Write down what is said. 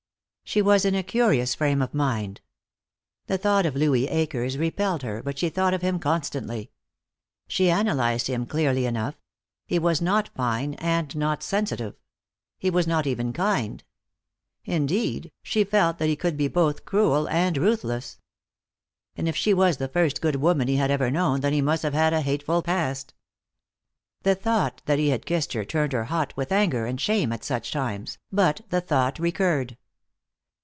She was in a curious frame of mind. The thought of Louis Akers repelled her, but she thought of him constantly. She analyzed him clearly enough; he was not fine and not sensitive. He was not even kind. Indeed, she felt that he could be both cruel and ruthless. And if she was the first good woman he had ever known, then he must have had a hateful past. The thought that he had kissed her turned her hot with anger and shame at such times, but the thought recurred.